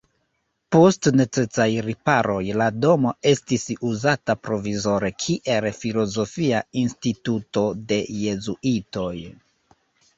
Post necesaj riparoj la domo estis uzata provizore kiel filozofia instituto de jezuitoj.